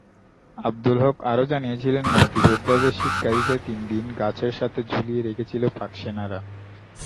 আব্দুল হক আরো জানিয়েছিলেন, মুক্তিযোদ্ধাদের শিক্ষা দিতে তিনদিন গাছের সাথে ঝুলিয়ে রেখেছিল পাক সেনারা।